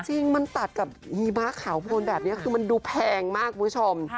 จริงมันตัดกับหิมะขาวโพนแบบนี้คือมันดูแพงมากคุณผู้ชม